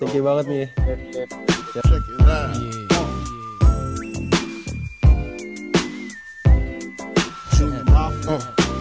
thank you banget nih ya